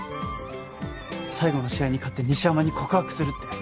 最後の試合に勝って西山に告白するって。